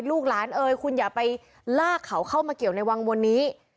ลูกหลานเอ่ยคุณอย่าไปลากเขาเข้ามาเกี่ยวในวังวนนี้